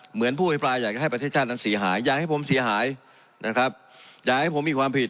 เหมือนผู้อภิปรายอยากจะให้ประเทศชาตินั้นเสียหายอยากให้ผมเสียหายนะครับอย่าให้ผมมีความผิด